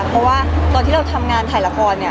เพราะว่าตอนที่เราทำงานถ่ายละครเนี่ย